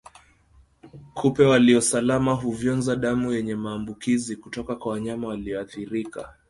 Kupe waliosalama huvyonza damu yenye maambukizi kutoka kwa wanyama walioathirika